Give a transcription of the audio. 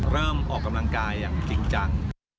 ออกกำลังกายอย่างจริงจัง